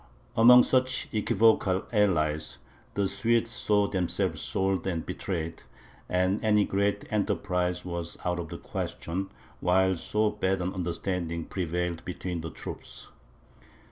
Among such equivocal allies, the Swedes saw themselves sold and betrayed; and any great enterprise was out of the question, while so bad an understanding prevailed between the troops.